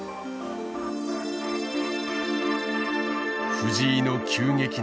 藤井の急激な進化。